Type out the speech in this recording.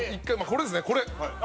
これです。